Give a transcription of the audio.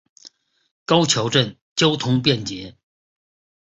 高桥镇交通便捷。